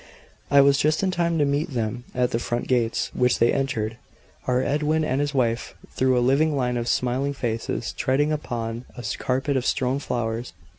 I was just in time to meet them at the front gates, which they entered our Edwin and his wife through a living line of smiling faces, treading upon a carpet of strewn flowers.